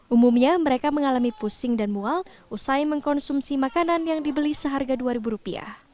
umumnya mereka mengalami pusing dan mual usai mengkonsumsi makanan yang dibeli seharga rp dua